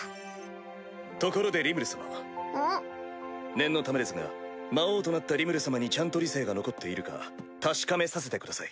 念のためですが魔王となったリムル様にちゃんと理性が残っているか確かめさせてください。